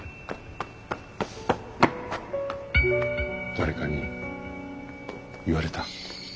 誰かに言われた？